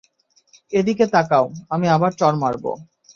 এদিকে তাকাও, আমি আবার চড় মারব।